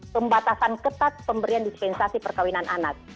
pembatasan ketat pemberian dispensasi perkawinan anak